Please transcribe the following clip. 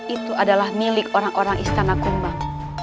itu adalah milik orang orang istana kumbang